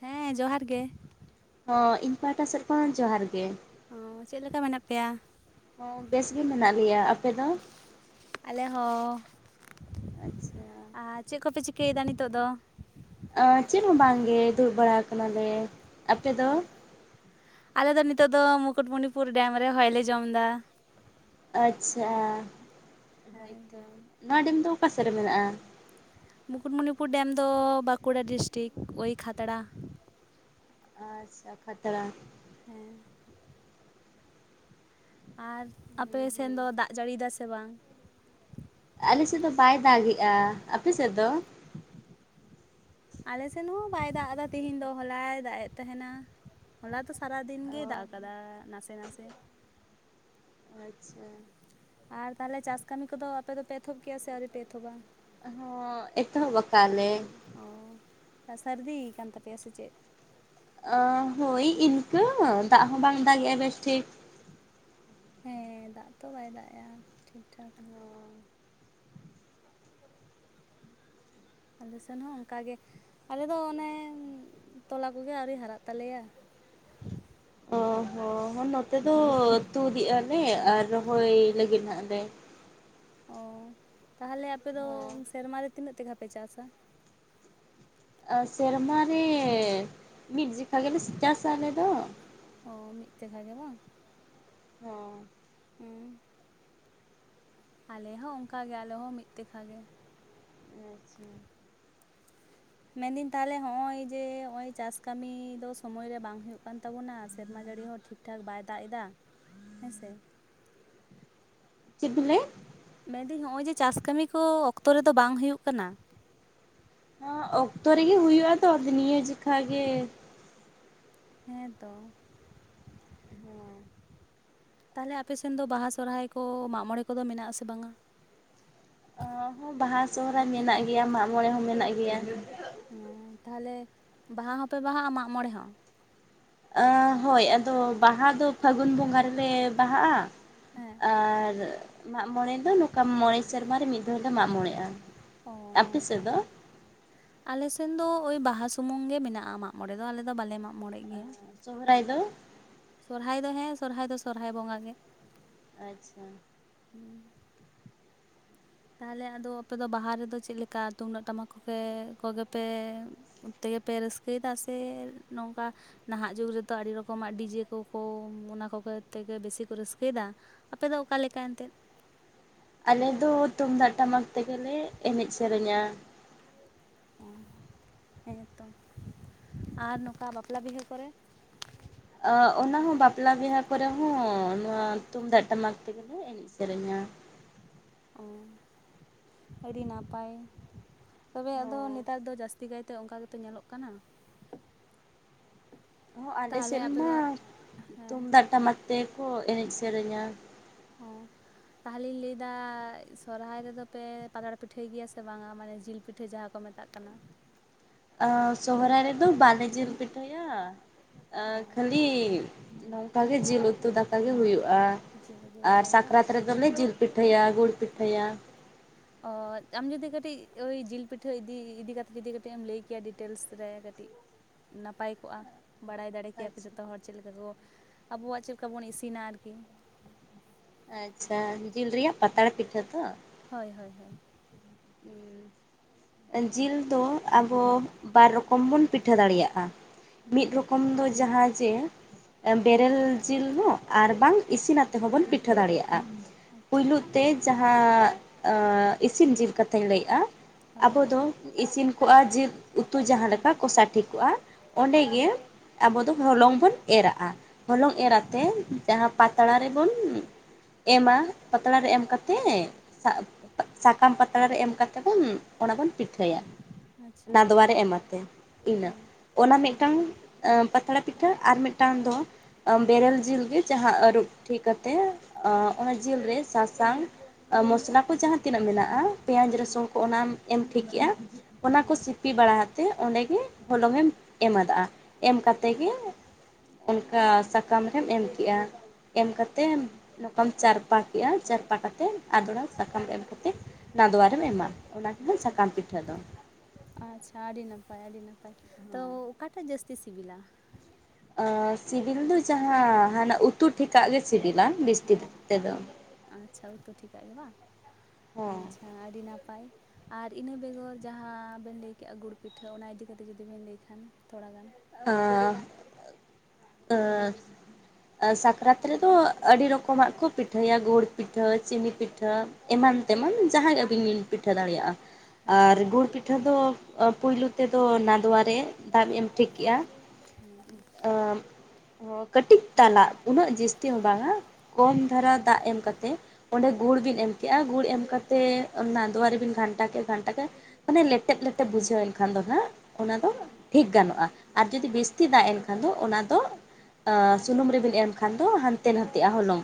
ᱦᱮᱸ ᱡᱚᱦᱟᱨ ᱜᱮ ᱦᱮᱸ ᱤᱧ ᱯᱟᱦᱴᱟ ᱥᱮᱫ ᱠᱷᱚᱱ ᱡᱚᱦᱟᱨ ᱜᱮ ᱚ, ᱪᱮᱫ ᱞᱮᱠᱟ ᱢᱮᱱᱟᱜ ᱯᱮᱭᱟ ᱦᱚᱸ ᱵᱮᱥ ᱜᱮ ᱢᱮᱱᱟᱜ ᱞᱮᱭᱟ ᱟᱯᱮ ᱫᱚ ᱟᱞᱮ ᱦᱚᱸ ᱟᱪᱪᱷᱟ ᱟᱨ ᱪᱮᱫ ᱠᱚᱯᱮ ᱪᱤᱠᱟᱹᱭᱮᱫᱟ ᱱᱤᱛᱚᱜ ᱫᱚ ᱚ ᱪᱮᱫ ᱦᱚᱸ ᱵᱟᱝᱜᱮ ᱫᱩᱲᱩᱵ ᱵᱟᱲᱟ ᱠᱟᱱᱟᱞᱮ ᱚ, ᱟᱞᱮ ᱫᱚ ᱱᱤᱛᱚᱜ ᱫᱚ ᱢᱩᱠᱩᱴᱢᱩᱱᱤᱯᱩᱨ ᱰᱮᱢ ᱨᱮ ᱦᱚᱭ ᱞᱮ ᱡᱚᱢᱫᱟ ᱟᱪᱪᱷᱟ ᱦᱳᱭ ᱦᱳᱭᱛᱚ ᱱᱚᱣᱟ ᱰᱮᱢ ᱫᱚ ᱚᱠᱟ ᱥᱮᱫ ᱨᱮ ᱢᱮᱱᱟᱜᱼᱟ ᱢᱩᱠᱩᱴᱢᱩᱱᱤᱯᱩᱨ ᱰᱮᱢ ᱫᱚ ᱵᱟᱸᱠᱩᱲᱟ ᱰᱤᱥᱴᱤᱠ ᱳᱭ ᱠᱷᱟᱛᱲᱟ ᱟᱪᱪᱷᱟ ᱠᱷᱟᱛᱲᱟ ᱦᱮᱸ ᱟᱨ ᱟᱯᱮ ᱦᱩᱸ ᱥᱮᱱ ᱦᱩᱸ ᱫᱚ ᱫᱟᱜ ᱡᱟᱹᱲᱤ ᱫᱟᱭ ᱥᱮ ᱵᱟᱝ ᱟᱞᱮ ᱥᱮᱫ ᱫᱚ ᱵᱟᱭ ᱫᱟᱜᱮᱜᱼᱟ ᱟᱯᱮ ᱥᱮᱫ ᱫᱚ ᱟᱞᱮ ᱥᱮᱱ ᱦᱚᱸ ᱵᱟᱭ ᱫᱟᱜ ᱮᱫᱟ ᱛᱮᱦᱤᱧ ᱫᱚ ᱦᱚᱞᱟᱭ ᱫᱟᱜ ᱮᱫ ᱛᱟᱦᱮᱱᱟ ᱦᱚᱞᱟ ᱛᱚ ᱥᱟᱨᱟ ᱫᱤᱱ ᱜᱮᱭ ᱫᱟᱜ ᱟᱠᱟᱫᱟ ᱱᱟᱥᱮ ᱱᱟᱥᱮ ᱟᱪᱪᱷᱟ ᱟᱨ ᱛᱟᱦᱚᱞᱮ ᱪᱟᱥ ᱠᱟᱹᱢᱤ ᱠᱚᱫᱚ ᱟᱯᱮ ᱫᱚᱯᱮ ᱮᱛᱚᱦᱚᱵ ᱠᱮᱭᱟ ᱥᱮ ᱟᱹᱣᱨᱤᱯᱮ ᱮᱛᱚᱦᱚᱵᱟ? ᱦᱳᱭ ᱮᱛᱚᱦᱵ ᱟᱠᱟᱜ-ᱞᱮ ᱚ ᱥᱟᱹᱨᱫᱤᱠᱟᱱ ᱛᱟᱯᱮᱭᱟ ᱥᱮ ᱪᱮᱫ ᱚ, ᱦᱳᱭ ᱤᱱᱠᱟᱹ ᱫᱟᱜ ᱦᱚᱸ ᱵᱟᱝ ᱫᱟᱜᱮᱜᱼᱟ ᱵᱮᱥᱴᱷᱤᱠ ᱦᱮᱸ ᱫᱟᱜ ᱛᱚ ᱵᱟᱭ ᱫᱟᱜ ᱮᱼᱟ ᱴᱷᱤᱠ-ᱴᱷᱟᱠ᱾ ᱟᱞᱮ ᱥᱮᱱ ᱦᱚᱸ ᱚᱱᱠᱟᱜᱮ ᱟᱞᱮ ᱫᱚ ᱚᱱᱮ ᱛᱚᱞᱟ ᱠᱚᱜᱮ ᱟᱹᱣᱨᱤ ᱦᱟᱨᱟᱜ ᱛᱟᱞᱮᱭᱟ ᱚ ᱦᱚᱸ ᱱᱚᱛᱮ ᱫᱚ ᱛᱩᱫᱮᱜ-ᱟᱞᱮ ᱟᱨ ᱨᱚᱦᱚᱭ ᱞᱟᱹᱜᱤᱫ ᱱᱟᱜ ᱞᱮ ᱚᱻ ᱛᱟᱦᱚᱞᱮ ᱟᱯᱮ ᱫᱚ ᱦᱚᱸ ᱥᱮᱨᱢᱟᱟᱨ ᱨᱮ ᱛᱤᱱᱟᱹᱜ ᱛᱮᱜᱷᱟᱯᱮ ᱪᱟᱥᱟ ᱟ, ᱥᱮᱨᱢᱟ ᱨᱮ ᱢᱤᱫ ᱡᱮᱠᱷᱟ ᱜᱮᱞᱮ ᱪᱟᱥᱟ ᱟᱞᱮ ᱫᱚ ᱚ ᱢᱤᱫ ᱛᱮᱠᱷᱟ ᱜᱮ ᱵᱟᱝ ᱦᱮᱸ ᱦᱩᱸ ᱟᱞᱮ ᱦᱚᱸ ᱚᱝᱠᱟ ᱜᱮ ᱟᱞᱮ ᱦᱚᱸᱚᱸ ᱢᱤᱫ ᱛᱮᱠᱷᱟ ᱜᱮ ᱟᱪᱪᱷᱟ ᱢᱮᱱᱫᱟᱹᱧ ᱛᱟᱦᱚᱞᱮ ᱦᱚᱸᱜ ᱼᱚᱭ ᱡᱮ ᱦᱚᱸᱜᱼᱚᱭ ᱪᱟᱥ ᱠᱟᱹᱢᱤ ᱫᱚ ᱥᱳᱢᱚᱭ ᱨᱮ ᱵᱟᱝ ᱦᱩᱭᱩᱜ ᱠᱟᱱ ᱛᱟᱵᱚᱱᱟ ᱥᱮᱨᱢᱟ ᱡᱟᱹᱲᱤ ᱦᱚᱸ ᱴᱷᱤᱠ ᱴᱷᱤᱠ ᱴᱷᱟᱠ ᱵᱟᱭ ᱫᱟᱜ ᱮᱫᱟ ᱦᱮᱸ ᱥᱮ ᱪᱮᱫ ᱵᱤᱱ ᱞᱟᱹᱭ ᱢᱮᱱᱫᱟᱹᱧ ᱱᱚᱜᱼᱚᱭ ᱡᱮ ᱪᱟᱥ ᱠᱟᱹᱢᱤ ᱠᱚ ᱚᱠᱛᱚ ᱨᱮᱫᱚ ᱵᱟᱝ ᱦᱩᱭᱩᱜ ᱠᱟᱱᱟ ᱦᱚᱸ, ᱚᱠᱛᱚ ᱨᱮᱜᱮ ᱦᱩᱭᱩᱜᱼᱟ ᱛᱚ ᱟᱫᱚ ᱱᱤᱭᱟᱹ ᱡᱚᱠᱷᱟ ᱜᱮ ᱦᱮᱸ ᱛᱚ ᱛᱟᱞᱦᱮ ᱟᱯᱮ ᱥᱮᱱ ᱫᱚ ᱵᱟᱦᱟ ᱥᱚᱨᱦᱟᱭ ᱠᱚ ᱢᱟᱜ ᱢᱚᱬᱮ ᱠᱚᱫᱚ ᱢᱮᱱᱟᱜᱥᱮ ᱵᱟᱝᱟ ᱦᱮᱸ ᱵᱟᱦᱟ ᱥᱚᱦᱚᱨᱟᱭ ᱢᱮᱱᱟᱜ ᱜᱮᱭᱟ ᱢᱟᱜ ᱢᱚᱬᱮ ᱦᱚᱸ ᱢᱮᱱᱟᱜ ᱜᱮᱭᱟ ᱦᱮᱸ ᱛᱟᱦᱞᱮ ᱵᱟᱦᱟ ᱦᱚᱸᱯᱮ ᱵᱟᱦᱟᱜᱼᱟ ᱢᱟᱜᱢᱚᱬᱮ ᱦᱚᱸ ᱚ, ᱦᱳᱭ ᱟᱫᱚ ᱵᱟᱦᱟ ᱫᱚ ᱯᱷᱟᱹᱜᱩᱱ ᱵᱚᱸᱜᱟ ᱨᱮᱞᱮ ᱵᱟᱦᱟᱜᱼᱟ ᱦᱮᱸ ᱟᱨ ᱢᱟᱜᱽᱢᱚᱬᱮ ᱫᱚ ᱱᱚᱝᱠᱟ ᱢᱚᱬᱮ ᱥᱮᱸᱨᱢᱟᱨᱮ ᱢᱤᱫ ᱫᱷᱷᱟᱹᱣ ᱞᱮ ᱢᱟᱜ ᱢᱚᱬᱮᱜᱼᱟ ᱚ ᱟᱯᱮ ᱢᱚᱬᱮ ᱥᱮᱫ ᱥᱟᱞ ᱫᱚ ᱟᱞᱮ ᱥᱮᱱ ᱫᱚ ᱳᱭ ᱵᱟᱦᱟ ᱥᱩᱢᱩᱝ ᱜᱮ ᱢᱮᱱᱟᱜᱼᱟ᱾ᱢᱟᱜᱽ ᱢᱚᱬᱮ ᱫᱚ ᱟᱞᱮ ᱫᱚ ᱵᱟᱞᱮ ᱢᱟᱜᱽ ᱢᱚᱬᱮ ᱜᱮᱭᱟ᱾ ᱥᱚᱦᱚᱨᱟᱭ ᱫᱚ ᱥᱚᱨᱦᱟᱭ ᱫᱚ ᱦᱮᱸ ᱥᱚᱨᱦᱟᱭ ᱫᱚ ᱥᱚᱨᱦᱟᱭ ᱵᱚᱸᱜᱟ ᱜᱮ ᱟᱪᱪᱷᱟ [inaudible] ᱛᱟᱦᱚᱞᱮ ᱟᱫᱚ ᱟᱯᱮ ᱫᱚ ᱵᱟᱦᱟ ᱨᱮᱫᱚ, ᱪᱮᱫ ᱞᱮᱠᱟ ᱛᱩᱢᱫᱟᱹᱜ ᱴᱟᱢᱟᱠ ᱠᱚᱜᱮ ᱠᱚᱜᱮ ᱯᱮ ᱚᱱᱛᱮᱜᱮ ᱯᱮ ᱨᱟᱹᱥᱠᱟᱹᱭᱮᱫᱟ ᱥᱮ ᱱᱚᱝᱠᱟ ᱱᱟᱦᱟᱜ ᱡᱩᱜᱽ ᱨᱮᱫᱚ ᱟᱹᱰᱤ ᱨᱚᱠᱚᱢᱟᱜ ᱰᱤᱡᱮ ᱠᱚᱠᱚ ᱚᱱᱟ ᱠᱚᱜᱮ ᱛᱮᱜᱮ ᱵᱮᱥᱤ ᱠᱚ ᱨᱟᱹᱥᱠᱟᱹᱭᱮᱫᱟ ᱟᱯᱮ ᱫᱚ ᱚᱠᱟ ᱞᱮᱠᱟ ᱮᱱᱛᱮᱫ ᱟᱞᱮ ᱫᱚ ᱛᱩᱢᱫᱟᱜ ᱴᱟᱢᱟᱠ ᱛᱮᱜᱮᱞᱮ ᱮᱱᱮᱡ ᱥᱮᱨᱮᱧᱟ᱾ ᱚ ᱦᱮᱸᱛᱚ ᱟᱨ ᱱᱚᱝᱠᱟ ᱵᱟᱯᱞᱟ ᱵᱤᱦᱟᱹ ᱠᱚᱨᱮ ᱚ ᱚᱱᱟ ᱦᱚᱸ ᱵᱟᱯᱞᱟ ᱵᱤᱦᱟᱹ ᱠᱚᱨᱮ ᱦᱚᱸ ᱱᱚᱣᱟ ᱛᱩᱢᱫᱟᱜ ᱴᱟᱢᱟᱠ ᱛᱮᱜᱮᱞᱮ ᱮᱱᱮᱡ ᱥᱮᱨᱮᱧᱟ ᱚ ᱟᱹᱰᱤ ᱱᱟᱯᱟᱭ ᱛᱚᱵᱮ ᱟᱫᱚ ᱱᱮᱛᱟᱨ ᱫᱚ ᱡᱟᱹᱥᱛᱤ ᱠᱟᱭ ᱚᱱᱠᱟ ᱜᱮᱛᱚ ᱧᱮᱞᱚᱜ ᱠᱟᱱᱟ ᱛᱟᱦᱚᱞᱮ ᱟᱞᱮᱥᱮᱫ ᱟᱯᱮ ᱢᱟ ᱫᱚ ᱦᱮᱸ ᱛᱩᱢᱫᱟᱜᱽ ᱴᱟᱢᱟᱠ ᱛᱮᱠᱚ ᱮᱱᱮᱡ ᱥᱮᱨᱮᱧᱟ ᱚᱸ ᱛᱟᱦᱚᱞᱮᱧ ᱞᱟᱹᱭ ᱫᱟ ᱥᱚᱨᱚᱦᱟᱭ ᱨᱮᱫᱚ ᱯᱮ ᱯᱟᱛᱲᱟ ᱯᱤᱴᱷᱟᱹᱭ ᱜᱮᱭᱟ ᱥᱮ ᱵᱟᱝ-ᱟ? ᱢᱟᱱᱮ ᱡᱤᱞ ᱯᱤᱴᱷᱟᱹ᱾ ᱯᱤᱴᱷᱟᱹ ᱡᱟᱦᱟᱸ ᱠᱚ ᱢᱮᱛᱟᱜ ᱠᱟᱱᱟ᱾ ᱚᱸ ᱥᱚᱦᱚᱨᱟᱭ ᱨᱮᱫᱚ ᱵᱟᱞᱮ ᱡᱤᱞ ᱯᱤᱴᱷᱟᱹᱭᱟ ᱚᱸ ᱚ ᱠᱷᱟᱹᱞᱤ ᱚᱱᱠᱟ ᱜᱮ ᱡᱤᱞ ᱩᱛᱩ ᱫᱟᱠᱟ ᱜᱮ ᱦᱩᱭᱩᱜᱼᱟ ᱡᱤᱞ ᱩᱛᱩ ᱟᱨ ᱫᱟᱠᱟ ᱜᱮ ᱵᱟᱝ ᱥᱟᱠᱨᱟᱛ ᱨᱮᱫᱚᱞᱮ ᱡᱤᱞ ‌ ᱯᱤᱴᱷᱟᱹᱭᱟ ᱜᱩᱲ ᱯᱤᱴᱷᱟᱹᱭᱟ ᱚᱻ ᱟᱢ ᱡᱩᱫᱤ ᱠᱟᱹᱴᱤᱡ ᱳᱭ ᱡᱤᱞ ᱯᱤᱴᱷᱟᱹ ᱤᱫᱤ ᱤᱫᱤ ᱠᱟᱛᱮᱫ ᱡᱩᱫᱤ ᱠᱟᱹᱴᱤᱡ ᱮᱢ ᱞᱟᱹᱭ ᱠᱮᱭᱟ ᱰᱤᱴᱮᱞᱥ ᱨᱮ ᱠᱟᱹᱴᱤᱡ ᱱᱟᱯᱟᱭ ᱠᱚᱜ-ᱟ ᱵᱟᱲᱟᱭ ᱫᱟᱲᱮ ᱞᱟᱹᱭ ᱠᱮᱭᱟ ᱠᱚ ᱟᱪᱪᱷᱟ ᱡᱚᱛᱚ ᱦᱚᱲ ᱪᱮᱫ ᱞᱮᱠᱟ ᱠᱚ ᱟᱵᱚᱣᱟᱜ ᱪᱮᱫ ᱞᱮᱠᱟ ᱵᱚᱱ ᱤᱥᱤᱱᱟ ᱟᱨᱠᱤ ᱟᱪᱪᱷᱟ ᱡᱤᱞ ᱨᱮᱭᱟᱜ ᱯᱟᱛᱲᱟ ᱯᱤᱴᱷᱟᱹ ᱛᱚ᱾ ᱦᱳᱭ ᱦᱳᱭ ᱦᱳᱭ ᱡᱤᱞ ᱫᱚ ᱟᱵᱚ ᱵᱟᱨ ᱨᱚᱠᱚᱢ ᱵᱚᱱ ᱯᱤᱴᱷᱟᱹ ᱫᱟᱲᱮᱭᱟᱜᱼᱟ ᱦᱩᱸ ᱢᱤᱫ ᱨᱚᱠᱚᱢ ᱫᱚ ᱡᱟᱦᱟᱸ ᱡᱮ ᱮ ᱵᱮᱨᱮᱞ ᱡᱤᱞ ᱦᱚᱸ ᱟᱨ ᱵᱟᱝ ᱤᱥᱤᱱᱟᱛᱮ ᱦᱚᱸᱵᱚᱱ ᱯᱤᱴᱷᱟᱹ ᱫᱟᱲᱮᱭᱟᱜᱼᱟ᱾ ᱟᱪᱪᱷᱟ ᱯᱩᱭᱞᱳ ᱛᱮ ᱡᱟᱦᱟᱸ ᱤᱥᱤᱱ ᱡᱤᱞ ᱠᱟᱛᱷᱟᱧ ᱞᱟᱹᱭ ᱮᱜᱼᱟ ᱦᱳᱭ ᱟᱵᱚ ᱫᱚ ᱤᱥᱤᱱ [unintelligible] ᱡᱤᱞ ᱩᱛᱩ ᱡᱟᱦᱟᱸ ᱞᱮᱠᱟ ᱠᱚᱥᱟ ᱴᱷᱤᱠ ᱠᱚᱜ-ᱟ᱾ ᱚᱸᱰᱮ ᱦᱮᱸ ᱜᱮ ᱟᱵᱚ ᱫᱚ ᱦᱚᱞᱚᱝ ᱵᱚᱱ ᱮᱨᱟᱜᱼᱟ᱾ ᱦᱚᱞᱚᱝ ᱮᱨ ᱦᱮᱸ ᱟᱛᱮ ᱡᱟᱦᱟᱸ ᱯᱟᱛᱲᱟ ᱨᱮᱵᱚᱱ ᱮ ᱢᱟ. ᱯᱟᱛᱲᱟ ᱨᱮ ᱮᱢ ᱠᱟᱛᱮ ᱥᱟᱵ ᱥᱟᱠᱟᱢ ᱯᱟᱛᱲᱟ ᱨᱮ ᱮᱢ ᱠᱟᱛᱮ ᱵᱚᱱ ᱚᱱᱟ ᱵᱚᱱ ᱯᱤᱴᱷᱟᱹᱭᱟ ᱟᱪᱪᱷᱟ ᱱᱟᱫᱽᱣᱟᱨᱮ ᱮᱢᱟᱯᱮ ᱤᱱᱟᱹ ᱦᱮᱸ ᱚᱱᱟ ᱦᱮᱸ ᱢᱤᱫᱴᱟᱝ ᱚ ᱯᱟᱛᱲᱟ ᱯᱤᱴᱷᱟᱹ ᱟᱨ ᱢᱤᱫᱴᱟᱱ ᱫᱚ ᱵᱮᱨᱮᱞ ᱡᱤᱞ ᱜᱮ ᱡᱟᱦᱟᱸ ᱟᱹᱨᱩᱵ ᱴᱷᱤᱠ ᱠᱟᱛᱮ ᱚᱸ ᱚᱱᱟ ᱡᱤᱞᱨᱮ ᱥᱟᱥᱟᱝ ᱢᱚᱥᱞᱟ ᱠᱚ ᱡᱟᱦᱟᱸ ᱛᱤᱱᱟᱹᱜ ᱢᱮᱱᱟᱜᱼᱟ ᱯᱮᱸᱭᱟᱡᱽ ᱦᱩᱸ ᱨᱟᱹᱥᱩᱱ ᱠᱚ ᱚᱱᱟᱢ ᱮᱢ ᱴᱷᱤᱠ ᱮᱼᱟ ᱚᱱᱟ ᱠᱚ ᱦᱩᱸ ᱥᱤᱯᱤ ᱵᱟᱲᱟ ᱛᱮ ᱚᱸᱰᱮᱜ ᱜᱮ ᱦᱚᱞᱚᱝ ᱮᱢᱟᱫᱟᱼᱟ᱾ ᱮᱢ ᱠᱟᱛᱮ ᱜᱮ ᱚᱱᱠᱟ ᱥᱟᱠᱟᱢ ᱨᱮᱢ ᱮᱢ ᱠᱮᱜᱼᱟ. ᱮᱢ ᱠᱟᱛᱮ ᱱᱚᱝᱠᱟᱢ ᱪᱟᱨᱯᱟ ᱠᱮᱼᱟ ᱪᱟᱨᱯᱟ ᱠᱟᱛᱮ ᱟᱫᱲᱚ ᱥᱟᱠᱟᱢ ᱮᱢ ᱠᱟᱛᱮ ᱱᱟᱫᱚᱣᱟ ᱨᱮᱢ ᱮᱢᱟ ᱚᱱᱟ ᱠᱟᱱᱟ ᱥᱟᱠᱟᱢ ᱯᱤᱴᱷᱟᱹ ᱫᱚ ᱟᱪᱪᱷᱟ ᱟᱹᱰᱤ ᱱᱟᱯᱟᱭ ᱟᱹᱰᱤ ᱱᱟᱯᱟᱭ ᱛᱚ ᱚᱠᱟᱴᱟᱜ ᱡᱟᱹᱥᱛᱤ ᱥᱤᱵᱤᱞᱟ? ᱟ ᱥᱤᱵᱤᱞ ᱫᱚ ᱡᱟᱦᱟᱸ ᱦᱟᱱᱟ ᱩᱛᱩ ᱴᱷᱤᱠᱟᱼᱜ ᱜᱮ ᱥᱤᱵᱤᱞᱟ ᱵᱮᱥ ᱴᱷᱤᱠ ᱛᱮᱫᱚ ᱟᱪᱷᱟ ᱩᱛᱩ ᱴᱷᱤᱠᱟᱜ ᱜᱮ ᱵᱟᱝ ᱦᱚᱸ ᱟᱪᱷᱟ ᱟᱹᱰᱤ ᱱᱟᱯᱟᱭ᱾ ᱟᱨ ᱤᱱᱟᱹ ᱵᱮᱜᱚᱨ ᱡᱟᱦᱟᱸ ᱵᱮᱱ ᱞᱟᱹᱭ ᱠᱮᱜ-ᱟ ᱜᱩᱲ ᱯᱤᱴᱷᱟᱹ ᱚᱱᱟ ᱤᱫᱤ ᱠᱟᱛᱮ ᱡᱩᱫᱤ ᱵᱮᱱ ᱞᱟᱹᱭ ᱠᱷᱟᱱ ᱛᱷᱚᱲᱟ ᱜᱟᱱ ᱟᱺ ᱟᱺ ᱥᱟᱠᱨᱟᱛ ᱨᱮᱫᱚ ᱟᱹᱰᱤ ᱨᱚᱠᱚᱢᱟᱜ ᱠᱩ ᱯᱤᱴᱷᱟᱹᱭᱟ ᱜᱩᱲ ᱯᱤᱴᱷᱟᱹ ᱪᱤᱱᱤ ᱯᱤᱴᱷᱟᱹ ᱮᱢᱟᱱ ᱛᱮᱢᱟᱱ ᱡᱟᱦᱟᱸ ᱟᱹᱵᱤᱱ ᱵᱤᱱ ᱯᱤᱴᱷᱟᱹ ᱫᱟᱲᱮᱭᱟᱜ-ᱟ ᱦᱮᱸ ᱟᱨ ᱜᱩᱲ ᱯᱤᱴᱷᱟᱹ ᱫᱚ ᱯᱩᱭᱞᱩ ᱛᱮᱫᱚ ᱱᱟᱫᱚᱣᱟᱨᱮ ᱫᱟᱜ ᱮᱢ ᱴᱷᱤᱠ ᱠᱮ-ᱟ ᱦᱮᱸ ᱟ ᱦᱚ ᱠᱟᱹᱴᱤᱡ ᱛᱟᱞᱟ ᱩᱱᱟᱹᱜ ᱡᱟᱹᱥᱛᱤ ᱦᱚᱸ ᱵᱟᱝ ᱦᱟᱸ ᱠᱚᱢ ᱫᱷᱟᱨᱟ ᱫᱟᱜ ᱮᱢ ᱠᱟᱛᱮᱜ ᱚᱸᱰᱮ ᱦᱮᱸ ᱜᱩᱲ ᱵᱤᱱ ᱮᱢ ᱠᱮᱜ-ᱟ ᱜᱩᱲ ᱮᱢ ᱠᱟᱛᱮ ᱱᱟᱫᱳᱣᱟ ᱨᱮᱵᱤᱱ ᱜᱷᱟᱱᱴᱟ ᱠᱮᱜ-ᱟ ᱜᱷᱟᱱᱴᱟ ᱠᱮᱫ ᱢᱟᱱᱮ ᱞᱮᱴᱮᱯ ᱞᱮᱴᱮᱯ ᱵᱩᱡᱷᱟᱹᱣ ᱮᱱ ᱠᱷᱟᱱ ᱫᱚ ᱦᱟᱸᱜ ᱚᱱᱟ ᱫᱚ ᱦᱮᱸ ᱴᱷᱤᱠ ᱜᱟᱱᱚᱜ-ᱟ ᱟᱨ ᱡᱩᱫᱤ ᱵᱮᱥᱛᱤ ᱫᱟᱜ ᱮᱱ ᱮᱱᱠᱷᱟᱱ ᱠᱷᱟᱱ ᱫᱚ ᱚᱱᱟ ᱫᱚ ᱥᱩᱱᱩᱢ ᱨᱮᱵᱮᱱ ᱮᱢ ᱠᱷᱟᱱ ᱫᱚ ᱦᱟᱱᱛᱮ ᱱᱟᱛᱮᱜᱼᱟ ᱦᱚᱞᱚᱝ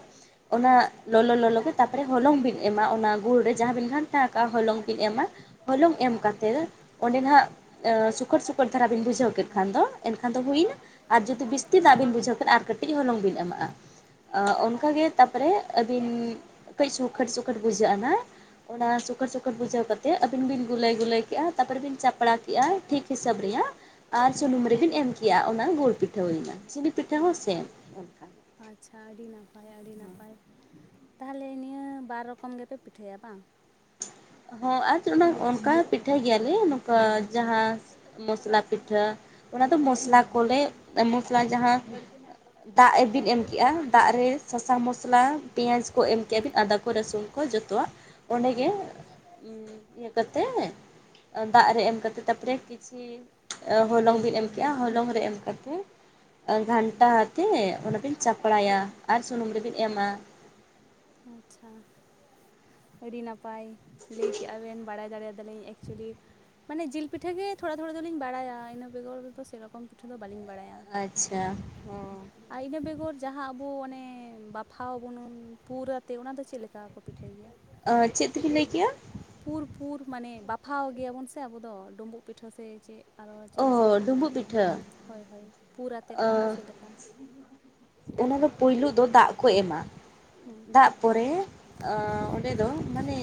ᱚᱱᱟ ᱟᱪᱪᱷᱟ ᱞᱚᱞᱚ ᱞᱚᱞᱚ ᱜᱮ ᱛᱟᱯᱚᱨᱮ ᱦᱚᱞᱚᱝ ᱵᱮᱱ ᱮᱢᱟ ᱚᱱᱟ ᱜᱩᱲ ᱨᱮ ᱡᱟᱦᱟᱸ ᱵᱤᱱ ᱜᱷᱟᱱᱴᱟ ᱟᱠᱟᱜ-ᱟ ᱦᱚᱞᱚᱝ ᱵᱤᱱ ᱮᱢᱟ ᱦᱚᱞᱚᱝ ᱮᱢ ᱠᱟᱛᱮ ᱚᱸᱰᱮ ᱱᱟᱦᱟᱜ ᱥᱩᱠᱟᱹᱨ ᱥᱩᱠᱟᱹᱨ ᱫᱷᱟᱨᱟ ᱵᱤᱱ ᱵᱩᱡᱷᱟᱹᱣ ᱠᱮᱫ ᱠᱷᱟᱱ ᱫᱚ ᱮᱱᱠᱷᱟᱱ ᱫᱚ ᱦᱩᱭᱮᱱᱟ ᱟᱨ ᱡᱩᱫᱤ ᱵᱮᱥᱛᱤ ᱫᱟᱜ ᱵᱤᱱ ᱵᱩᱡᱷᱟᱹᱣ ᱠᱷᱟᱱ ᱟᱨ ᱠᱟᱹᱴᱤᱡ ᱦᱚᱞᱚᱝ ᱵᱤᱱ ᱮᱢᱟᱜ-ᱟ ᱚᱱᱠᱟᱜᱮ ᱛᱟᱯᱚᱨᱮ ᱟᱹᱵᱤᱱ ᱠᱟᱹᱡ ᱥᱩᱠᱷᱟᱹᱴ ᱥᱩᱠᱷᱟᱹᱴ ᱵᱩᱡᱷᱟᱹᱜ-ᱟ ᱦᱟᱸᱜ ᱚᱱᱟ ᱦᱮᱸ ᱥᱩᱠᱟᱹᱴ ᱥᱩᱠᱟᱹᱴ ᱵᱩᱡᱷᱟᱹᱣ ᱠᱟᱛ ᱛᱮ ᱟᱹᱵᱤᱱ ᱵᱤᱱ ᱜᱩᱞᱟᱹᱭ ᱜᱩᱞᱟᱹᱭ ᱠᱮᱜ-ᱟ ᱛᱟᱯᱚᱨᱮ ᱵᱤᱱ ᱪᱟᱯᱲᱟ ᱠᱮᱜ-ᱟ ᱴᱷᱤᱠ ᱦᱤᱥᱟᱹᱵᱽ ᱨᱮᱭᱟᱜ ᱟᱨ ᱦᱮᱸ ᱥᱩᱱᱩᱢ ᱨᱮᱵᱮᱱ ᱮᱢ ᱠᱮᱼᱟ ᱚᱱᱟ ᱜᱩᱲ ᱯᱤᱴᱷᱟᱹ ᱦᱩᱭᱱᱟ ᱥᱤᱱᱤ ᱯᱤᱴᱷᱟᱹ ᱦᱚᱸ ᱥᱮᱢ ᱮᱱᱠᱷᱟᱱ ᱟᱪᱷᱟ ᱟᱹᱰᱤ ᱱᱟᱯᱟᱭ ᱟᱹᱰᱤ ᱱᱟᱯᱟᱭ ᱛᱟᱦᱚᱞᱮ ᱱᱤᱭᱟᱹ ᱵᱟᱨ ᱨᱚᱠᱚᱢ ᱜᱮᱯᱮ ᱯᱤᱴᱷᱟᱹᱭᱟ ᱵᱟᱝ? ᱦᱚᱸ ᱟᱨ ᱪᱮ ᱚᱱᱟ ᱚᱱᱠᱟ ᱯᱤᱴᱷᱟᱹᱭ ᱜᱮᱭᱟᱞᱮ ᱱᱚᱝᱠᱟ ᱡᱟᱦᱟᱸ ᱢᱚᱥᱞᱟ ᱯᱤᱴᱷᱟᱹ ᱚᱱᱟ ᱫᱚ ᱢᱚᱥᱞᱟ ᱠᱚᱞᱮ ᱢᱚᱥᱞᱟ ᱡᱟᱦᱟᱸ ᱫᱟᱜ ᱮᱵᱤᱱ ᱮᱢ ᱠᱮᱜ-ᱟ ᱫᱟᱜ ᱨᱮ ᱥᱟᱥᱟᱝ ᱢᱚᱥᱞᱟ ᱯᱤᱭᱟᱡᱽ ᱠᱚ ᱮᱢ ᱠᱮᱜ-ᱟ ᱵᱤᱱ ᱟᱫᱟ ᱠᱚ ᱨᱟᱹᱥᱩᱱ ᱠᱚ ᱡᱚᱛᱚᱣᱟᱜ ᱚᱸᱰᱮ ᱜᱮ ᱤᱭᱟᱹ ᱤᱭᱟᱹ ᱠᱟᱛᱮᱜ ᱫᱟᱜ ᱨᱮ ᱮᱢ ᱠᱟᱛᱮᱜ ᱛᱟᱯᱚᱨᱮ ᱠᱤᱪᱷᱤ ᱦᱚᱞᱚᱝ ᱵᱤᱱ ᱮᱢ ᱠᱮᱜ-ᱟ ᱦᱚᱞᱚᱝ ᱨᱮ ᱮᱢ ᱠᱟᱛᱮᱜ ᱜᱷᱟᱱᱴᱟ ᱟᱛᱮ ᱚᱱᱟᱵᱤᱱ ᱪᱟᱯᱲᱟᱭᱟ ᱟᱨ ᱥᱩᱱᱩᱢ ᱨᱮᱵᱤᱱ ᱮᱢᱟ ᱟᱪᱷᱟ ᱟᱹᱰᱤ ᱱᱟᱯᱟᱭ ᱞᱟᱹᱭ ᱠᱮᱜ-ᱟ ᱵᱮᱱ ᱵᱟᱲᱟᱭ ᱫᱟᱲᱮ ᱭᱟᱫᱟᱞᱤᱧ ᱮᱠᱪᱚᱭᱞᱤ ᱢᱟᱱᱮ ᱡᱤᱞ ᱯᱤᱴᱷᱟᱹ ᱜᱮ ᱛᱷᱚᱲᱟ ᱛᱷᱚᱲᱟ ᱫᱚᱞᱤᱧ ᱵᱟᱲᱟᱭᱟ ᱤᱱᱟᱹ ᱵᱮᱜᱚᱨ ᱫᱚ ᱥᱮᱨᱚᱠᱚᱢ ᱯᱤᱴᱷᱟᱹ ᱫᱚ ᱵᱟᱞᱤᱧ ᱵᱟᱲᱟᱭᱟ᱾ ᱟᱪᱷᱟ ᱦᱚᱸ ᱟᱨ ᱤᱱᱟᱹ ᱵᱮᱜᱚᱨ ᱡᱟᱦᱟᱸ ᱟᱵᱩ ᱚᱱᱮ ᱵᱟᱯᱷᱟᱣ ᱵᱩᱱᱩᱱ ᱯᱩᱨᱟᱛᱮ ᱚᱱᱟ ᱫᱚ ᱪᱮᱫ ᱞᱮᱠᱟ ᱠᱚ ᱯᱤᱴᱷᱟᱹᱭ ᱜᱮᱭᱟ? ᱟ ᱪᱮᱫ ᱛᱮᱵᱤᱱ ᱞᱟᱹᱭ ᱠᱮᱫ- ᱟ? ᱯᱩᱨ-ᱯᱩᱨ ᱢᱟᱱᱮ ᱵᱟᱯᱷᱟᱣ ᱜᱮᱭᱟᱵᱚᱱ ᱥᱮ ᱟᱵᱩ ᱫᱚ ᱰᱩᱢᱵᱩᱜ ᱯᱤᱴᱷᱟᱹ ᱥᱮ ᱪᱮᱫ? ᱟᱨᱚ ᱪᱮᱫ ᱚ ᱞᱮᱠᱟᱱ ᱠᱚ ᱢᱮᱛᱟᱜ ᱰᱩᱸᱵᱩᱜ ᱜᱮᱭᱟ ᱯᱤᱴᱷᱟᱹ ᱦᱳᱭ ᱦᱳᱭ ᱯᱩᱨ ᱟᱛᱮᱫ ᱚᱱᱟ ᱫᱚ ᱪᱮᱫ ᱞᱮᱠᱟ ᱚᱱᱟ ᱫᱚ ᱯᱩᱭᱞᱩ ᱫᱚ ᱫᱟᱜ ᱠᱚ ᱮᱢᱟ ᱦᱮᱸ ᱛᱟᱜᱯᱚᱨᱮ ᱚᱸᱰᱮ ᱫᱚ ᱢᱟᱱᱮ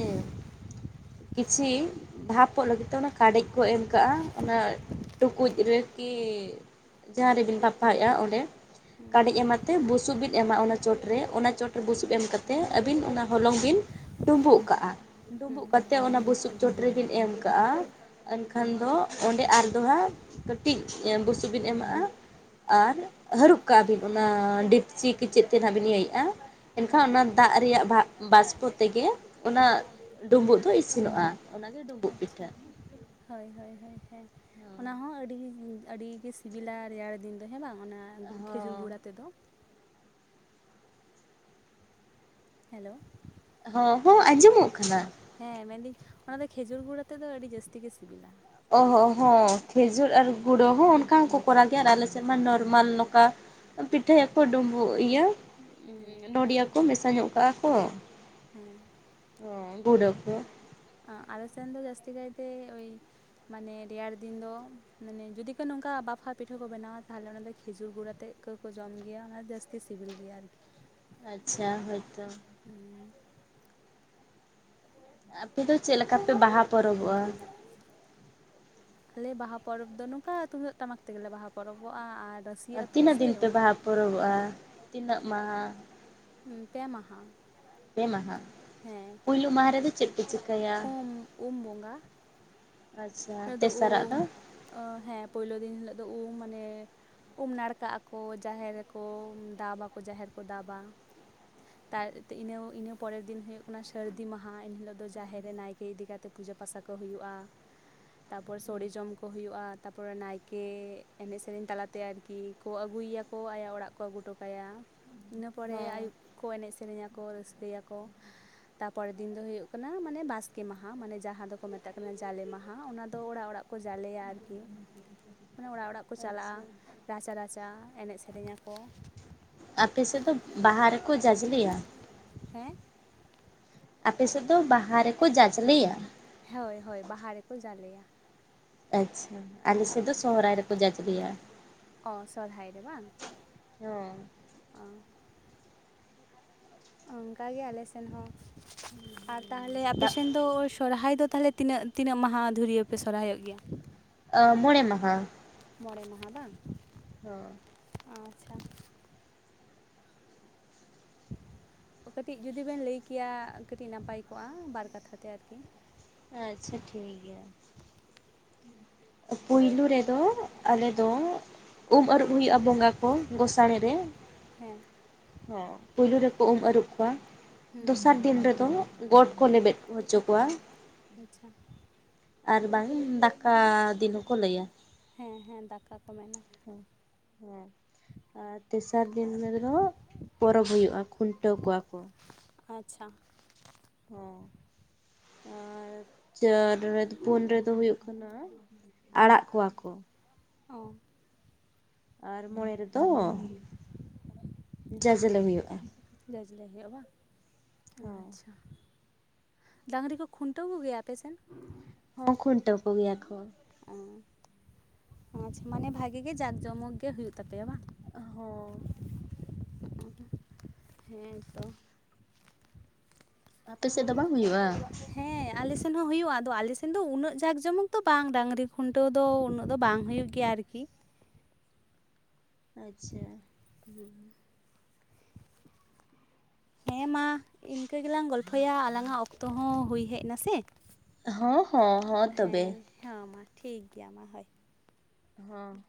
ᱠᱤᱪᱷᱤ ᱵᱷᱟᱯᱚᱜ ᱞᱟᱹᱜᱤᱫ ᱛᱮ ᱚᱱᱟ ᱠᱟᱰᱮᱡ ᱠᱚ ᱮᱢ ᱠᱟᱜᱼᱟ ᱚᱱᱟ ᱴᱩᱠᱩᱡ ᱨᱮᱠᱤ ᱡᱟᱦᱟᱸ ᱨᱮᱵᱤᱱ ᱵᱟᱯᱷᱟᱣᱮᱜ-ᱟ ᱚᱸᱰᱮ ᱦᱮᱸ ᱠᱟᱰᱮᱡ ᱮᱢᱟᱛᱮ ᱵᱩᱥᱩᱯ ᱵᱤᱱ ᱮᱢᱟ ᱚᱱᱟ ᱪᱚᱴᱨᱮ ᱚᱱᱟ ᱪᱚᱴᱨᱮ ᱵᱩᱥᱩᱯ ᱮᱢ ᱠᱟ ᱠᱟᱛᱮ ᱟᱹᱵᱤᱱ ᱚᱱᱟ ᱦᱚᱞᱚᱝ ᱵᱤᱱ ᱰᱩᱸᱵᱩᱜ ᱠᱟᱜ-ᱟ ᱦᱮᱸ ᱰᱩᱸᱵᱩᱜ ᱛᱮ ᱚᱱᱟ ᱵᱩᱥᱩᱵ ᱪᱚᱴ ᱨᱮᱵᱤᱱ ᱮᱢ ᱠᱟᱜ-ᱟ ᱮᱱᱠᱷᱟᱱ ᱫᱚ ᱚᱸᱰᱮ ᱟᱨ ᱫᱚ ᱦᱟᱸᱜ ᱠᱟᱹᱴᱤᱡ ᱵᱩᱥᱩᱵ ᱵᱤᱱ ᱮᱢᱟᱜ-ᱟ ᱟᱨ ᱦᱟᱹᱲᱩᱵ ᱠᱟᱜ-ᱟ ᱵᱤᱱ ᱚᱱᱟ ᱰᱤᱯᱪᱤ ᱠᱤᱪᱮᱫ ᱛᱮ ᱦᱟᱸᱜ ᱵᱤᱱ ᱤᱭᱟᱹᱭᱮᱜ-ᱟ ᱮᱱᱠᱷᱟᱱ ᱦᱮᱸ ᱚᱱᱟ ᱫᱟᱜ ᱨᱮᱭᱟᱜ ᱵᱷᱟ ᱵᱟᱥᱯᱚ ᱛᱮᱜᱮ ᱚᱱᱟ ᱰᱩᱸᱵᱩᱜ ᱫᱚ ᱤᱥᱤᱱᱚᱜ-ᱟ ᱚᱱᱟ ᱜᱮ ᱰᱩᱸᱵᱩᱜ ᱟᱪᱪᱷᱟ ᱯᱤᱴᱷᱟᱹ ᱦᱳᱭ ᱦᱳᱭ ᱦᱳᱭ ᱦᱮᱸ ᱚᱱᱟ ᱦᱚᱸ ᱟᱹᱰᱤ ᱜᱤ ᱟᱹᱰᱤ ᱜᱤ ᱥᱮ ᱥᱤᱵᱤᱞᱟ ᱨᱮᱭᱟᱲ ᱫᱤᱱ ᱫᱚ ᱦᱮᱸ ᱵᱟᱝ ᱚᱱᱟ ᱠᱷᱮᱡᱩᱨ ᱦᱚᱸ ᱜᱩᱲᱟ ᱛᱮᱫ ᱫᱚ ᱦᱮᱞᱳ ᱦᱚᱸ ᱦᱚᱸ ᱟᱸᱡᱚᱢᱚᱜ ᱠᱟᱱᱟ ᱦᱮᱸ ᱢᱮᱱᱫᱟᱹᱧ ᱚᱱᱟ ᱫᱚ ᱠᱷᱮᱡᱩᱨ ᱜᱩᱲ ᱛᱮᱫ ᱫᱚ ᱟᱹᱰᱤ ᱡᱟᱹᱥᱛᱤ ᱜᱮ ᱥᱤᱵᱤᱞᱟ ᱚ ᱦᱚᱸ ᱦᱚᱸ ᱠᱷᱮᱡᱩᱨ ᱟᱨ ᱜᱩᱲᱟᱹ ᱦᱚᱸ ᱚᱱᱠᱟ ᱦᱚᱸᱠᱚ ᱠᱚᱨᱟᱣ ᱜᱮᱭᱟ ᱟᱨ ᱟᱞᱮ ᱥᱮᱫ ᱢᱟ ᱱᱚᱨᱢᱟᱞ ᱱᱚᱝᱠᱟ ᱯᱤᱴᱷᱟᱹᱭᱟᱠᱚ ᱰᱩᱢᱵᱩᱜ ᱤᱭᱟᱹ ᱦᱮᱸ ᱱᱚᱰᱤᱭᱟᱹ ᱠᱚ ᱢᱮᱥᱟ ᱧᱚᱜ ᱠᱟᱜᱼᱟ ᱠᱚ ᱦᱮᱸ ᱚ ᱜᱩᱸᱰᱟ ᱠᱚ ᱟᱞᱮᱥᱮᱱ ᱫᱚ ᱡᱟᱹᱥᱛᱤ ᱠᱟᱭᱛᱮ ᱳᱭ ᱢᱟᱱᱮ ᱨᱮᱭᱟᱲ ᱫᱤᱱ ᱫᱚ ᱢᱟᱱᱮ ᱡᱩᱫᱤ ᱠᱚ ᱱᱚᱝᱠᱟ ᱵᱟᱯᱷᱟ ᱯᱤᱴᱷᱟᱹ ᱠᱚ ᱵᱮᱱᱟᱣᱟ ᱛᱟᱦᱚᱞᱮ ᱚᱱᱟ ᱫᱚ ᱠᱷᱮᱡᱩᱨ ᱜᱩᱲ ᱟᱛᱮᱫ ᱯᱟᱹᱠᱟᱹ ᱠᱚ ᱡᱚᱢ ᱜᱮᱭᱟ ᱚᱱᱟ ᱡᱟᱹᱥᱛᱤ ᱥᱤᱵᱤᱞ ᱜᱮᱭᱟ ᱟᱨᱠᱤ ᱟᱪᱪᱷᱟ ᱦᱚᱭ ᱛᱚ ᱦᱩᱸ ᱟᱯᱮ ᱫᱚ ᱪᱮᱫ ᱞᱮᱠᱟᱯᱮ ᱵᱟᱦᱟ ᱯᱚᱨᱚᱵᱚᱜᱼᱟ ᱟᱞᱮ ᱵᱟᱦᱟ ᱯᱚᱨᱚᱵᱽ ᱫᱚ ᱱᱚᱝᱠᱟ ᱛᱩᱢᱫᱟᱹᱜ ᱴᱟᱢᱟᱠ ᱛᱮᱜᱮ ᱵᱟᱦᱟ ᱯᱚᱨᱚᱵᱚᱜᱼᱟ ᱟᱨ ᱨᱟᱹᱥᱤ ᱟᱨ ᱟᱹᱛᱩ ᱛᱤᱱᱟᱹᱜ ᱥᱮ ᱫᱤᱱ ᱯᱮ ᱵᱟᱦᱟ ᱯᱚᱨᱚᱵᱚᱜᱼᱟ ᱛᱤᱱᱟᱹᱜ ᱢᱟᱦᱟ ᱯᱮ ᱢᱟᱦᱟ ᱯᱮ ᱢᱟᱦᱟ ᱦᱮᱸ ᱯᱩᱭᱞᱳ ᱢᱟᱦᱟ ᱨᱮᱫᱚ ᱪᱮᱫ ᱯᱮ ᱪᱤᱠᱟᱹᱭᱟ ᱩᱢ ᱩᱢ ᱵᱚᱸᱜᱟ ᱟᱪᱪᱷᱟ ᱫᱚ ᱛᱮᱥᱟᱨᱟᱜ ᱫᱚ ᱩᱢ ᱦᱮᱸ ᱯᱳᱭᱞᱳ ᱫᱤᱱ ᱦᱤᱞᱳᱜ ᱫᱚ ᱩᱢ ᱢᱟᱱᱮ ᱩᱢ ᱱᱟᱲᱠᱟᱜ ᱟᱠᱚ ᱡᱟᱦᱮᱨ ᱨᱮᱠᱚ ᱫᱟᱵᱟ ᱟᱠᱚ ᱡᱟᱦᱮᱨ ᱠᱚ ᱫᱟᱵᱟ ᱛᱟᱭ ᱤᱱᱟᱹ ᱤᱱᱟᱹ ᱯᱚᱨᱮᱨ ᱫᱤᱱ ᱦᱩᱭᱩᱜ ᱠᱟᱱᱟ ᱥᱟᱹᱨᱫᱤ ᱢᱟᱦᱟ ᱮᱱ ᱦᱤᱞᱳᱜ ᱫᱚ ᱡᱟᱦᱮᱨ ᱨᱮ ᱱᱟᱭᱠᱮ ᱤᱫᱤ ᱠᱟᱛᱮ ᱛᱮ ᱯᱩᱡᱟᱹ ᱯᱟᱥᱟ ᱠᱚ ᱦᱩᱭᱩᱜᱼᱟ ᱛᱟᱨᱯᱚᱨ ᱥᱚᱲᱮ ᱡᱚᱢ ᱠᱚ ᱦᱩᱭᱩᱜᱼᱟ ᱛᱟᱨᱯᱚᱨ ᱱᱟᱭᱠᱮ ᱮᱱᱮᱡ ᱥᱮᱨᱮᱧ ᱛᱟᱞᱟᱛᱮ ᱟᱨᱠᱤ ᱠᱤ ᱠᱚ ᱟᱹᱜᱩᱭᱮᱭᱟ ᱠᱚ ᱟᱭᱟᱜ ᱚᱲᱟᱜ ᱠᱚ ᱟᱹᱜᱩ ᱦᱚᱴᱚ ᱠᱟᱭᱟ ᱤᱱᱟᱹ ᱯᱚᱨᱮ ᱦᱮᱸ ᱟᱹᱭᱩᱵ ᱠᱚ ᱮᱱᱮᱡ ᱥᱮᱨᱮᱧᱟ ᱠᱚ ᱨᱟᱹᱥᱠᱟᱹᱭᱟᱠᱚ ᱛᱟᱨᱯᱚᱨᱮᱨ ᱫᱤᱱ ᱫᱚ ᱦᱩᱭᱩᱜ ᱠᱟᱱᱟ ᱢᱟᱱᱮ ᱵᱟᱥᱠᱮ ᱢᱟᱦᱟ ᱢᱟᱱᱮ ᱡᱟᱦᱟᱸ ᱫᱚᱠᱚ ᱢᱮᱛᱟᱜ ᱠᱟᱱᱟ ᱡᱟᱞᱮ ᱢᱟᱦᱟ ᱚᱱᱟ ᱛᱚ ᱚᱲᱟᱜ ᱚᱲᱟᱜ ᱠᱚ ᱡᱟᱞᱮᱭᱟ ᱟᱨᱠᱤ ᱢᱟᱱᱮ ᱚᱲᱟᱜ ᱚᱲᱟᱜ ᱠᱚ ᱠᱚ ᱪᱟᱞᱟᱜᱼᱟ ᱟᱪᱪᱷᱟ ᱨᱟᱪᱟᱼ ᱨᱟᱪᱟ ᱮᱱᱮᱡ ᱥᱮᱨᱮᱧ ᱟᱠᱚ ᱟᱯᱮᱥᱮᱫ ᱫᱚ ᱵᱟᱦᱟ ᱨᱮᱠᱚ ᱡᱟᱡᱽᱞᱮᱭᱟ ᱦᱮᱸ ᱟᱯᱮᱥᱮᱫ ᱫᱚ ᱵᱟᱦᱟ ᱨᱮᱠᱚ ᱡᱟᱡᱽᱞᱮᱭᱟ ᱦᱳᱭ ᱦᱳᱭ ᱵᱟᱦᱟ ᱨᱮᱠᱚ ᱡᱟᱞᱮᱭᱟ ᱟᱪᱪᱷᱟ ᱟᱞᱮ ᱥᱮᱫ ᱫᱚ ᱥᱚᱦᱚᱨᱟᱭ ᱨᱮᱠᱚ ᱡᱟᱡᱽᱞᱮᱭᱟ ᱚ ᱥᱚᱦᱚᱨᱟᱭ ᱨᱮ ᱵᱟᱝ ᱦᱮᱸ ᱟᱨ ᱚᱱᱠᱟᱜᱤ ᱟᱞᱮ ᱥᱮᱱ ᱦᱚᱸ, ᱟᱨ ᱛᱟᱦᱚᱞᱮ ᱟᱯᱮ ᱵᱟ ᱥᱮᱱ ᱫᱚ ᱳᱭ ᱥᱚᱨᱦᱟᱭ ᱫᱚ ᱛᱟᱦᱚᱞᱮ ᱛᱤᱱᱟᱹᱜ-ᱛᱤᱱᱟᱹᱜ ᱢᱟᱦᱟ ᱫᱷᱩᱨᱭᱟᱹ ᱯᱮ ᱥᱚᱨᱦᱟᱭᱚᱜ ᱜᱮᱭᱟ? ᱢᱚᱬᱮ ᱢᱟᱦᱟ ᱢᱚᱬᱮ ᱢᱟᱦᱟ ᱵᱟᱝ ᱦᱚ ᱟᱪᱪᱷᱟ ᱠᱟᱹᱴᱤᱡ ᱡᱩᱫᱤ ᱵᱮᱱ ᱞᱟᱹᱭ ᱠᱮᱭᱟ ᱠᱟᱹᱴᱤᱡ ᱱᱟᱯᱟᱭ ᱠᱚᱜᱼᱟ ᱵᱟᱨ ᱠᱟᱛᱷᱟ ᱛᱮ ᱟᱨᱠᱤ ᱟᱪᱪᱷᱟ ᱴᱷᱤᱠ ᱜᱮᱭᱟ ᱯᱩᱭᱞᱩ ᱨᱮᱫᱚ ᱟᱞᱮ ᱫᱚ ᱩᱢ ᱟᱹᱨᱩᱵ ᱦᱩᱭᱩᱜᱼᱟ ᱵᱚᱸᱜᱟ ᱠᱚ ᱜᱚᱸᱥᱬᱮ ᱨᱮ ᱦᱮᱸ ᱚ ᱯᱩᱭᱞᱩ ᱨᱮᱠᱚ ᱩᱢ ᱟᱹᱨᱩᱵ ᱠᱚᱣᱟ ᱦᱩᱸ ᱫᱚᱥᱟᱨ ᱫᱤᱱ ᱨᱮᱫᱚ ᱜᱚᱴ ᱠᱚ ᱞᱮᱵᱮᱫ ᱪᱚ ᱠᱚᱣᱟ ᱟᱪᱷᱟ᱾ ᱟᱨ ᱵᱟᱝ ᱫᱟᱠᱟ ᱫᱤᱱ ᱦᱚᱸ ᱠᱚ ᱞᱟᱹᱭᱟ᱾ ᱦᱮᱸ ᱦᱮᱸ ᱫᱟᱠᱟ ᱠᱚ ᱢᱮᱱᱟ ᱦᱮᱸ ᱟᱨ ᱛᱮᱥᱟᱨ ᱫᱤᱱ ᱨᱮᱦᱚ ᱯᱚᱨᱚᱵᱽ ᱦᱩᱭᱩᱜ-ᱟ ᱠᱷᱩᱱᱴᱟᱹᱣ ᱠᱚᱣᱟ ᱠᱚ᱾ ᱟᱪᱷᱟ᱾ ᱚ ᱟᱨ ᱪᱟ ᱨᱮ ᱯᱩᱱ ᱨᱮᱫᱚ ᱦᱩᱭᱩᱜ ᱠᱟᱱᱟ ᱟᱲᱟᱜ ᱠᱚᱣᱟ ᱠᱚ᱾ ᱚ ᱟᱨ ᱢᱚᱬᱮ ᱨᱮᱫᱚ ᱡᱟᱡᱞᱮ ᱦᱩᱭᱩᱜ-ᱟ᱾ ᱡᱟ ᱡᱟ. ᱞᱮ ᱦᱩᱭᱩᱜᱼᱟ ᱵᱟᱝ ᱦᱚᱸ ᱟᱪᱷᱟ ᱰᱟᱝᱨᱤ ᱠᱚ ᱠᱷᱩᱱᱴᱟᱹᱣ ᱠᱚ ᱜᱮᱭᱟ ᱟᱯᱮᱥᱮᱱ? ᱦᱚᱸ ᱚᱠᱚᱭ ᱰᱚᱵᱩᱠ ᱜᱮᱭᱟ ᱠᱚ ᱚᱹ ᱟᱪᱷᱟ ᱢᱟᱱᱮ ᱵᱷᱟᱜᱮ ᱜᱮ ᱡᱟᱜ ᱡᱚᱢ ᱫᱚ ᱦᱩᱭᱩᱜ ᱛᱟᱯᱮᱭᱟ ᱵᱟᱝ ᱦᱚᱸ ᱦᱮᱸ ᱛᱚ ᱟᱯᱮ ᱥᱮᱫ ᱫᱚ ᱵᱟᱝ ᱦᱩᱭᱩᱜᱼᱟ ᱦᱮᱸ ᱟᱞᱮ ᱥᱮᱱ ᱦᱚᱸ ᱦᱩᱭᱩᱜᱼᱟ ᱟᱫᱚ ᱟᱞᱮ ᱥᱮᱱ ᱫᱚ ᱩᱱᱟᱹᱜ ᱡᱟᱠ ᱡᱚᱢᱚᱠ ᱫᱚ ᱵᱟᱝ ᱰᱟᱝᱨᱤ ᱠᱷᱩᱱᱴᱟᱹᱣ ᱫᱚ ᱩᱱᱟᱹᱜ ᱫᱚ ᱵᱟᱝ ᱦᱩᱭᱩᱜ ᱜᱤ ᱟᱨᱠᱤ ᱟᱪᱷᱟ ᱦᱩ ᱦᱮᱸ ᱢᱟ ᱤᱝᱠᱟᱹ ᱜᱮᱞᱟᱝ ᱜᱚᱞᱯᱷᱚᱭᱟ ᱟᱞᱟᱝᱟᱜ ᱚᱠᱛᱚ ᱦᱚᱸ ᱦᱩᱭ ᱦᱮᱡ ᱱᱟ ᱥᱮ ᱦᱚᱸ ᱦᱚᱸ ᱦᱚ ᱛᱚᱵᱮ ᱦᱮᱸ ᱢᱟ ᱴᱷᱤᱠ ᱜᱮᱭᱟ ᱢᱟ ᱦᱚᱦ ᱦᱚᱸ